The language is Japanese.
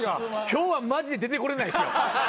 今日はマジで出てこれないですよ。